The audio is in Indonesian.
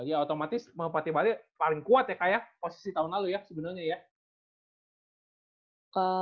ya otomatis merpati bali paling kuat ya kak ya posisi tahun lalu ya sebenarnya ya